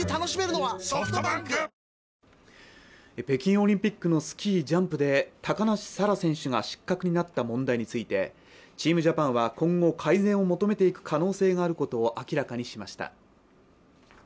北京オリンピックのスキージャンプで高梨沙羅選手が失格になった問題についてチームジャパンは今後、改善を求めていく可能性があることを明らかにしました。